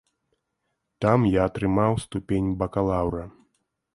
Там я атрымаў ступень бакалаўра.